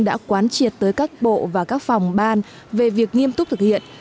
đã quán triệt tới các bộ và các phòng ban về việc nghiêm túc thực hiện